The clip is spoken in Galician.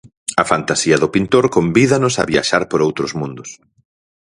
A fantasía do pintor convídanos a viaxar por outros mundos.